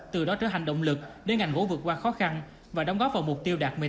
từ đó trở thành động lực để ngành gỗ vượt qua khó khăn và đóng góp vào mục tiêu đạt